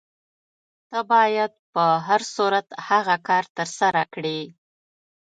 ته باید په هر صورت هغه کار ترسره کړې.